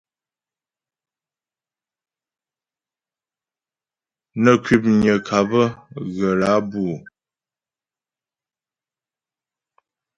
Nə kwəpnyə ŋkáp ghə̀ lǎ bǔ ?